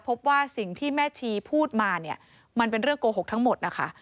พบว่าสิ่งที่แม่ชีพูดมาเนี่ยมันเป็นเรื่องโกหกทั้งหมดนะคะ